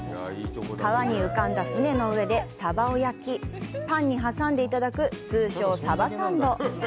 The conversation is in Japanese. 川に浮かんだ船の上でサバを焼きパンに挟んでいただく通称サバサンド。